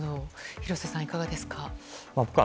廣瀬さん、いかがですか？